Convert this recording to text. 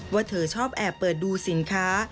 ว่าเธอชอบแอบเปิดดูสินค้า